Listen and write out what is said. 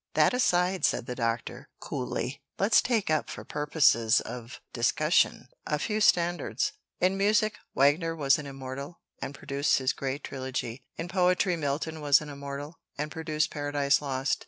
"That aside," said the Doctor, coolly, "let's take up, for purposes of discussion, a few standards. In music, Wagner was an Immortal, and produced his great trilogy. In poetry, Milton was an Immortal, and produced 'Paradise Lost.'